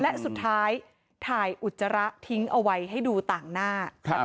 และสุดท้ายถ่ายอุจจาระทิ้งเอาไว้ให้ดูต่างหน้า